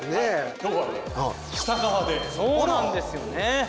今日はねそうなんですよね。